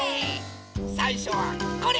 さいしょはこれ！